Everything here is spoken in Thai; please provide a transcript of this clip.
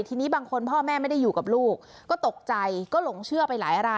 ทีนี้บางคนพ่อแม่ไม่ได้อยู่กับลูกก็ตกใจก็หลงเชื่อไปหลายราย